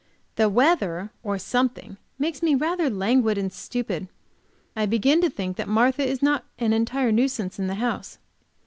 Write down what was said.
The weather, or something, makes me rather languid and stupid. I begin to think that Martha is not an entire nuisance in the house.